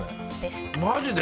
マジで？